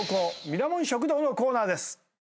ミラモン食堂のコーナーです。